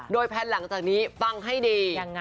โดยแผนหลังจากนี้ฟังให้ดี